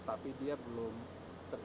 tapi dia belum beres